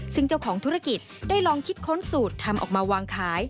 ซึ่งเจ้าของธุรกิจได้ลองคิดค้นสูตรทำออกมาวางขาย